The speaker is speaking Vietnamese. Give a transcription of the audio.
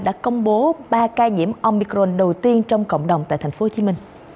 đã công bố ba ca nhiễm omicron đầu tiên trong cộng đồng tại tp hcm